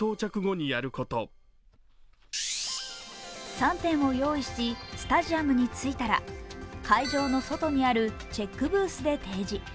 ３点を用意し、スタジアムに着いたら会場の外にあるチェックブースで提示。